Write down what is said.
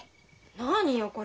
何よこれ。